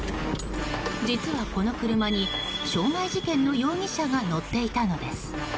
実はこの車に、傷害事件の容疑者が乗っていたのです。